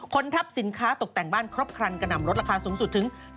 ทับสินค้าตกแต่งบ้านครบครันกระหน่ำรถราคาสูงสุดถึง